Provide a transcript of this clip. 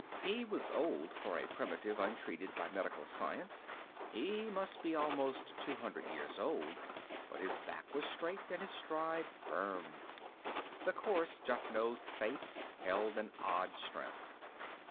He was old for a primitive untreated by medical science he must be almost two hundred years old but his back was straight, and his stride firm. The coarse, jut nosed face held an odd strength.